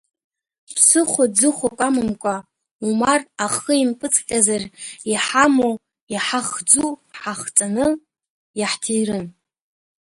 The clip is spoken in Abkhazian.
Ԥсыхәа-ӡыхәак амамкәа, Умар ахы импыҵҟьазар, иҳамоу, иҳахӡу ҳахҵаны иаҳҭирын.